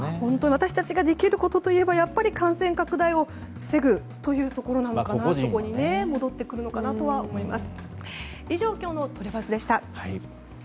私たちができることと言えばやっぱり感染拡大を防ぐというところに戻ってくるのかなとは思います。